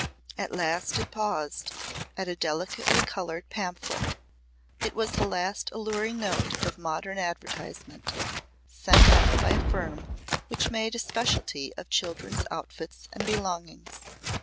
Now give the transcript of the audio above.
At last it paused at a delicately coloured pamphlet. It was the last alluring note of modern advertisement, sent out by a firm which made a specialty of children's outfits and belongings.